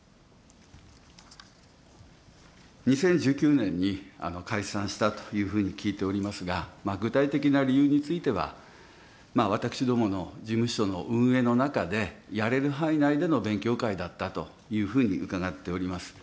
２０１９年に解散したというふうに聞いておりますが、具体的な理由については私どもの事務所の運営の中でやれる範囲内での勉強会だったというふうに伺っております。